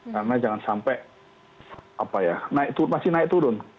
karena jangan sampai apa ya masih naik turun